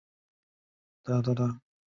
孙芳安此前是国防部长幕僚长。